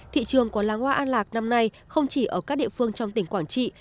thị trường của làng hoa an lạc năm nay không chỉ ở các địa phương trong tỉnh quảng trị